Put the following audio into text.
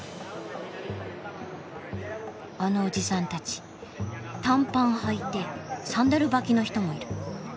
あのおじさんたち短パンはいてサンダル履きの人もいる。